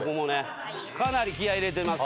かなり気合入れてます。